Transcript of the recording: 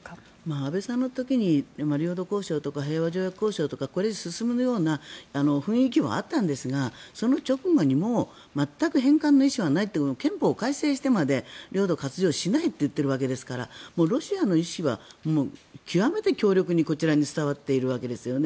安倍さんの時に領土交渉とか平和条約交渉とかこれが進むような雰囲気はあったんですが、その直後に全く返還の意思はないという憲法改正してまで領土割譲しないと言っているわけですからロシアの意思は極めて強力にこちらに伝わっているわけですよね。